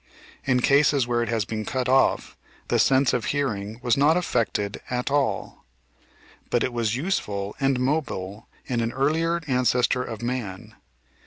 In cases where it has been cut off the sense of hearing was not af fected at all. But it was useful and mobile in an earlier ancestor of man.